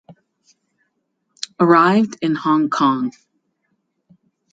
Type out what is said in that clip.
Arrived in Hong Kong.